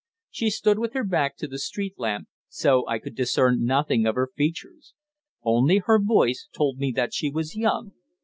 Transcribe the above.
She stood with her back to the street lamp, so I could discern nothing of her features. Only her voice told me that she was young.